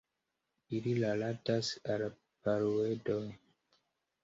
Ili rilatas al la Paruedoj.